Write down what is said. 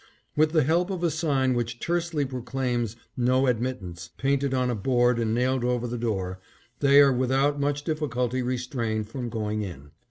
With the help of a sign which tersely proclaims "No Admittance," painted on a board and nailed over the door, they are without much difficulty restrained from going in.